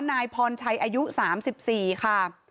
นายพรชัยอายุ๓๔ค่ะ